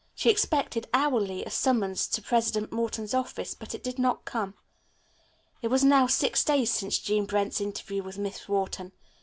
She expected hourly a summons to President Morton's office, but it did not come. It was now six days since Jean Brent's interview with Miss Wharton.